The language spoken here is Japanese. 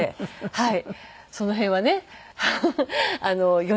はい。